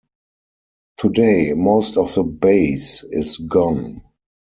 Today, most of the base is gone.